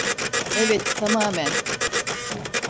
Evet, tamamen.